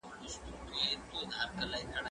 زه به اوږده موده لوبي کوم!.